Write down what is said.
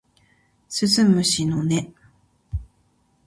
鈴虫の音